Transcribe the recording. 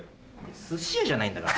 寿司屋じゃないんだから。